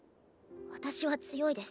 私は強いです。